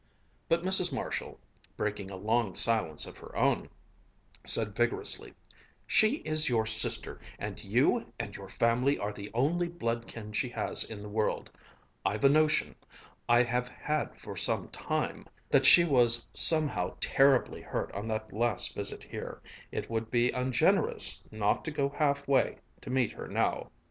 But Mrs. Marshall, breaking a long silence of her own, said vigorously: "She is your sister, and you and your family are the only blood kin she has in the world. I've a notion I have had for some time that she was somehow terribly hurt on that last visit here. It would be ungenerous not to go half way to meet her now."